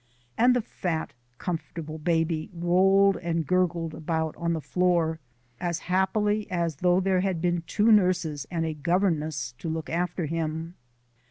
And the fat, comfortable baby rolled and gurgled about on the floor as happily as though there had been two nurses and a governess to look after him.